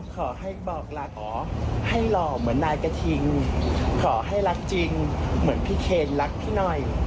ขอให้บอกรักให้หล่อเหมือนนายกระทิงขอให้รักจริงเหมือนพี่เคนรักพี่หน่อย